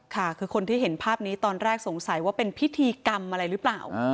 ค่ะคือคนที่เห็นภาพนี้ตอนแรกสงสัยว่าเป็นพิธีกรรมอะไรหรือเปล่า